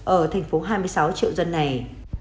ở thành phố hai mươi sáu triệu dân này